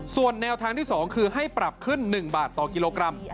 ส่วนแนวทางที่๒คือให้ปรับขึ้น๑บาทต่อกิโลกรัม